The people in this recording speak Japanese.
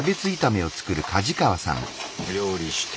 料理して。